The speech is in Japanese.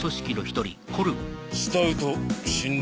スタウト死んだ。